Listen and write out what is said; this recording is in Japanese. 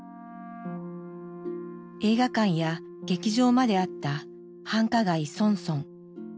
映画館や劇場まであった繁華街ソンソン。